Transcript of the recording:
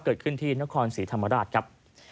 เกิดขึ้นที่นครศรีธรรมราชครับ